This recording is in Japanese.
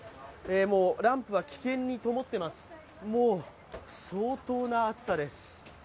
もうランプは危険にともっています、相当な熱さです。